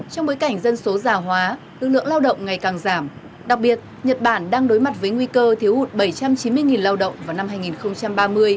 trong bối cảnh dân số già hóa lưu lượng lao động ngày càng giảm đặc biệt nhật bản đang đối mặt với nguy cơ thiếu hụt bảy trăm chín mươi lao động vào năm hai nghìn ba mươi